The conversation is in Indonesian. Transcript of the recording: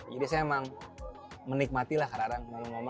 jadi saya memang menikmati lah kadang kadang